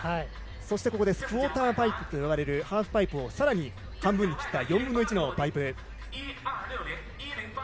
そしてクオーターパイプと呼ばれるハーフパイプを半分に切った４分の１のパイプ。